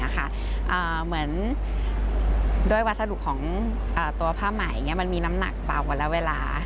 เหมือนด้วยวัสดุของตัวผ้าใหม่มันมีน้ำหนักเปล่ากว่าและเวลา